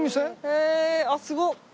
へえー！あっすごっ！